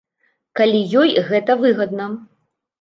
Калі ёй гэта выгадна.